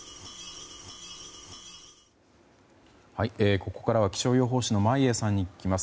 ここからは気象予報士の眞家さんに聞きます。